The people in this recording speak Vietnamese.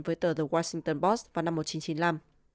với tờ the washington boss vào năm một nghìn chín trăm chín mươi năm